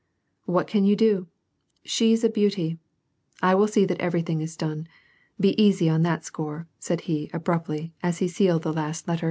" What can you do ? She's a beauty ! I will see that every thing is done. Be easy on that score," said he abruptly, as he sealed the last letter.